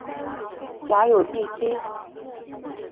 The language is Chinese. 辖有第七。